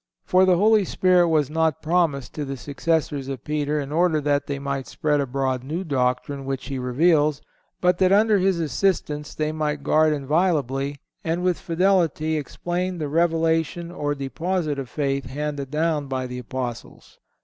"For the Holy Spirit was not promised to the successors of Peter in order that they might spread abroad new doctrine which He reveals, but that, under His assistance, they might guard inviolably, and with fidelity explain, the revelation or deposit of faith handed down by the Apostles."